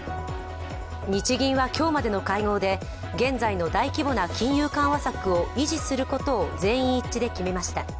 日銀は今日までの会合で現在の大規模な金融緩和策を維持することを全員一致で決めました。